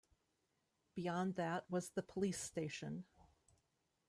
Beyond that was the police station.